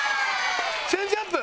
チェンジアップ？